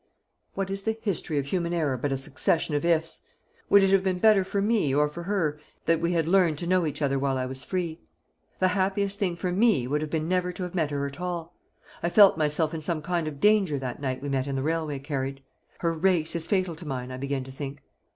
What is the history of human error but a succession of 'ifs'? Would it have been better for me or for her, that we had learned to know each other while I was free? The happiest thing for me would have been never to have met her at all. I felt myself in some kind of danger that night we met in the railway carriage. Her race is fatal to mine, I begin to think.